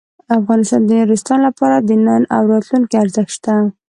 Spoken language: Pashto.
افغانستان کې د نورستان لپاره د نن او راتلونکي ارزښت شته.